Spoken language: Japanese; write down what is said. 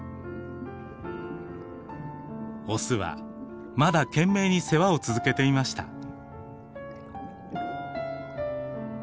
オスはまだ懸命に世話を続けていました。